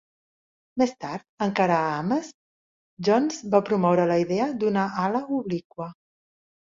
Més tard, encara a Ames, Jones va promoure la idea d'una ala obliqua.